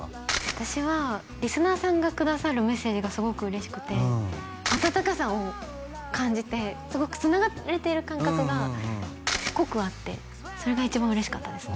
私はリスナーさんがくださるメッセージがすごく嬉しくてあたたかさを感じてすごくつながれてる感覚が濃くあってそれが一番嬉しかったですね